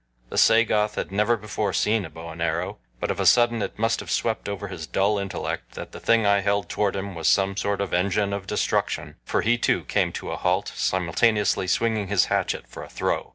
The Sagoth had never before seen a bow and arrow, but of a sudden it must have swept over his dull intellect that the thing I held toward him was some sort of engine of destruction, for he too came to a halt, simultaneously swinging his hatchet for a throw.